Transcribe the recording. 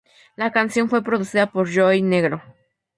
La canción fue producida por Joey Negro.